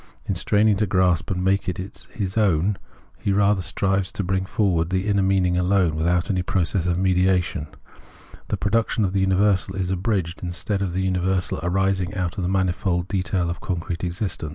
In straining to grasp it and make it his own, he rather strives to bring forward the inner meaning alone, without any process of mediation ; the production of the universal is abridged, instead of the universal arising out of the manifold detail of concrete existence.